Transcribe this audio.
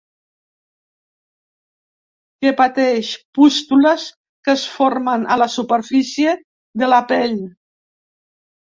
Que pateix pústules que es formen a la superfície de la pell.